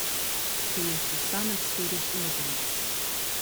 He is the son of Swedish immigrants.